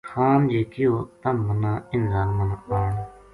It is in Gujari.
خان جے کہیو تَم مَنا اِنھ ظالماں نا آن